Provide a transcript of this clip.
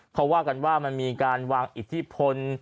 เขาว่ากันว่ามันมีการวางอิทธิพล